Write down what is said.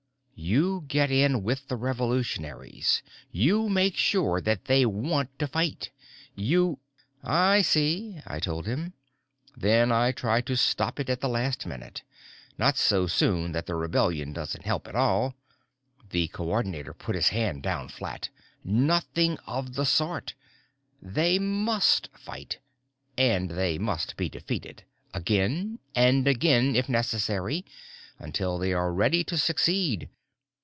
You get in with the revolutionaries, you make sure that they want to fight, you " "I see," I told him. "Then I try to stop it at the last minute. Not so soon that the rebellion doesn't help at all " The Coordinator put his hand down flat. "Nothing of the sort. They must fight. And they must be defeated, again and again, if necessary, until they are ready to succeed.